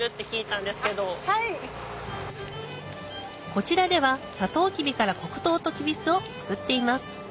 こちらではサトウキビから黒糖ときび酢を作っています